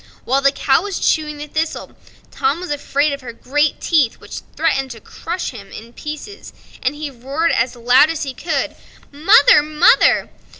While the cow was chewing the thistle Tom was afraid of her great teeth, which threatened to crush him in pieces, and he roared out as loud as he could: "Mother, mother!"